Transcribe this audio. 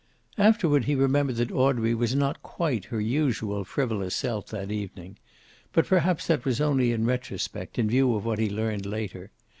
Afterward he remembered that Audrey was not quite her usual frivolous self that evening. But perhaps that was only in retrospect, in view of what he learned later.